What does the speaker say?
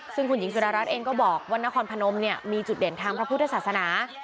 ซึ่งคุณหญิงสุดารัฐเองก็บอกว่านครพนมมีจุดเด่นทางพระพุทธศาสนา